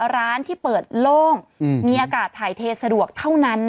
ร้านที่เปิดโล่งมีอากาศถ่ายเทสะดวกเท่านั้น